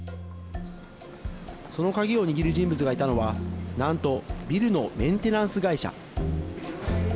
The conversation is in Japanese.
その鍵を握る人物がいたのはなんとビルのメンテナンス会社。